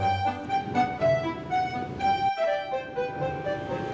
aku juga nunggu